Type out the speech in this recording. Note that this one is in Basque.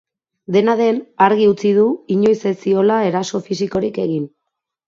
Dena den, argi utzi du inoiz ez ziola eraso fisikorik egin.